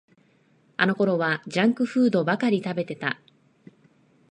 あのころはジャンクフードばかり食べてた